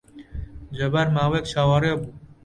جەبار ماوەیەک چاوەڕێ بوو.